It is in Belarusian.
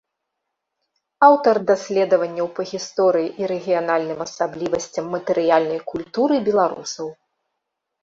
Аўтар даследаванняў па гісторыі і рэгіянальным асаблівасцям матэрыяльнай культуры беларусаў.